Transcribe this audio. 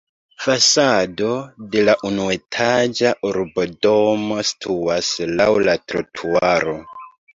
Fasado de la unuetaĝa urbodomo situas laŭ la trotuaro.